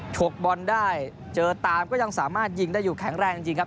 ชกบอลได้เจอตามก็ยังสามารถยิงได้อยู่แข็งแรงจริงครับ